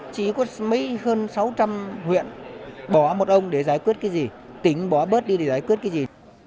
chỉ có mấy hơn sáu trăm linh huyện bỏ một ông để giải quyết cái gì tính bỏ bớt đi để giải quyết cái gì